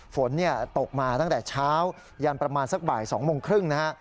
ฝนตกมาตั้งแต่เช้ายันประมาณสักบ่าย๒โมงครึ่งนะฮะ